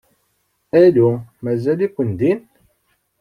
Alu? Mazal-iken din?